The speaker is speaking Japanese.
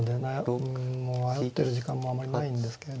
うんもう迷ってる時間もあんまりないんですけれど。